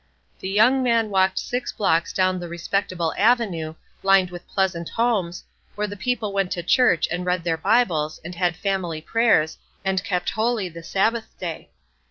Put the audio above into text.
The young man walked six blocks down the respectable avenue, lined with pleasant homes, where the people went to church, and read their Bibles, and had family prayers, and kept holy the Sabbath day.